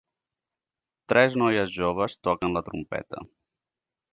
Tres noies joves toquen la trompeta.